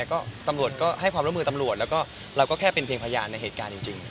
ก็ตำรวจก็ให้ความร่วมมือตำรวจแล้วก็เราก็แค่เป็นเพียงพยานในเหตุการณ์จริง